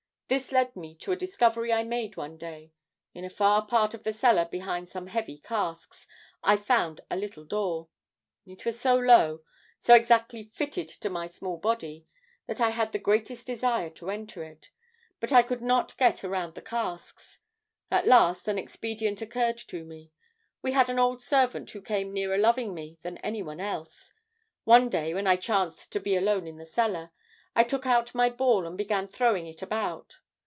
This led me to a discovery I made one day. In a far part of the cellar behind some heavy casks, I found a little door. It was so low so exactly fitted to my small body, that I had the greatest desire to enter it. But I could not get around the casks. At last an expedient occurred to me. We had an old servant who came nearer loving me than any one else. One day when I chanced to be alone in the cellar, I took out my ball and began throwing it about.